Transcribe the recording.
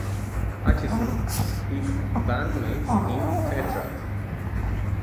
Hutcheson, his bandmates in Tetrad.